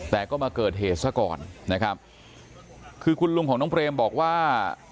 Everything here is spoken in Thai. แต่ก็มาเกิดเหตุซะก่อนนะครับคือคุณลุงของน้องเปรมบอกว่า